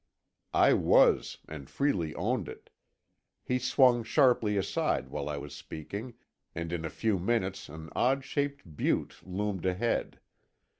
I was, and freely owned it. He swung sharply aside while I was speaking, and in a few minutes an odd shaped butte loomed ahead.